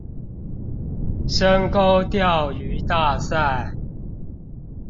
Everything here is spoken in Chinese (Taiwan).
深溝釣魚大賽